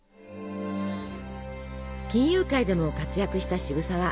金融界でも活躍した渋沢。